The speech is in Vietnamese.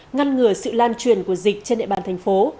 ngăn ngừa sự lan truyền của dịch trên địa bàn thành phố